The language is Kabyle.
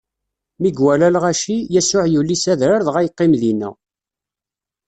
Mi iwala lɣaci, Yasuɛ yuli s adrar dɣa yeqqim dinna.